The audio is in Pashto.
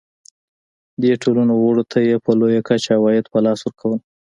دې ټولنو غړو ته یې په لویه کچه عواید په لاس ورکول.